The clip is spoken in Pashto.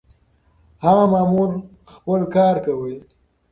هغه مامور خپل کار کاوه.